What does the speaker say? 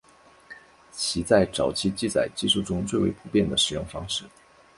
其在早期记载技术中为最为普遍的使用方式。